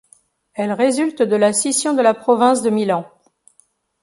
Elle résulte de la scission de la province de Milan.